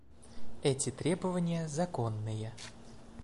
Эти требования законные.